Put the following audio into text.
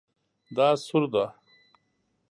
دا سور ده